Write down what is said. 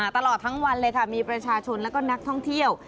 ตลอดทั้งวันเลยค่ะมีประชาชนและก็นักท่องเที่ยว